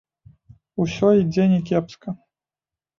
Усё ідзе не кепска.